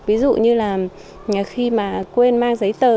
ví dụ như là khi mà quên mang giấy tờ